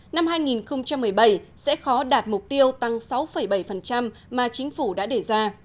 năm hai nghìn một mươi bảy sẽ khó đạt mục tiêu tăng sáu bảy mà chính phủ đã đề ra